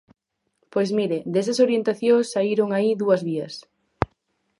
Pois mire, desas orientacións saíron aí dúas vías.